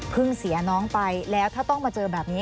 เสียน้องไปแล้วถ้าต้องมาเจอแบบนี้